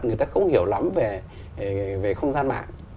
người ta không hiểu lắm về không gian mạng